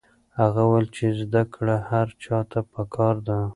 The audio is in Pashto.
هغه وویل چې زده کړه هر چا ته پکار ده.